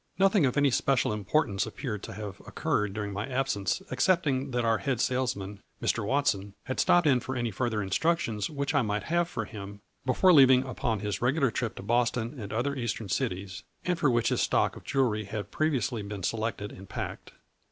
Nothing of any special impor tance appeared to have occurred during my absence excepting that our head salesman, Mr. Watson, had stopped in for any further in structions which I might have for him, before leaving upon his regular trip to Boston and other eastern cities, and for which his stock of jewelry had previously been selected and packed.